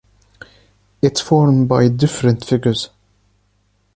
It’s formed by different figures.